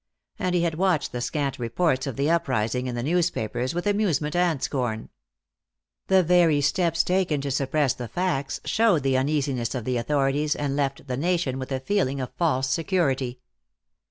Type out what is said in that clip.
And he had watched the scant reports of the uprising in the newspapers with amusement and scorn. The very steps taken to suppress the facts showed the uneasiness of the authorities and left the nation with a feeling of false security.